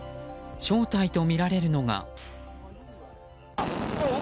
正体とみられるのが。